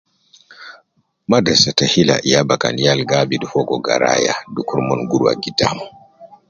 Madrasa ta hilla ya bakan yal gi abidu fogo garaya dukur mon ruwa gidam.